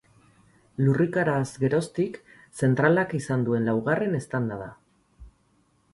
Lurrikaraz geroztik zentralak izan duen laugarren eztanda da.